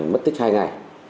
mất tích hai ngày